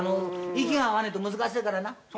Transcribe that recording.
息が合わねえと難しいの。